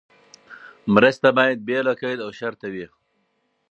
مرسته باید بې له قید او شرطه وي.